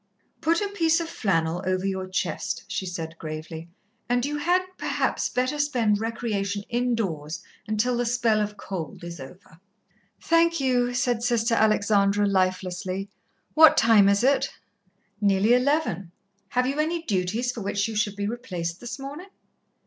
"Put a piece of flannel over your chest," she said gravely, "and you had, perhaps, better spend recreation indoors until the spell of cold is over." "Thank you," said Sister Alexandra lifelessly. "What time is it?" "Nearly eleven. Have you any duties for which you should be replaced this morning?"